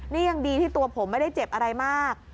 นี่ยังดีที่ตัวผมไม่ได้เจ็บอะไรมาก